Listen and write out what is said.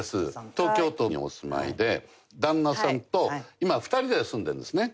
東京都にお住まいで旦那さんと今２人で住んでいるんですね？